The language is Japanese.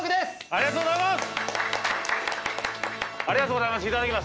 ありがとうございます。